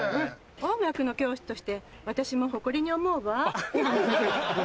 音楽の教師として私も誇りに思うわ。